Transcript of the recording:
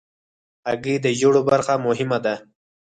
هګۍ د ژیړو برخه مهمه ده.